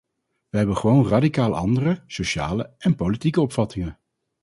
Wij hebben gewoon radicaal andere, sociale en politieke opvattingen.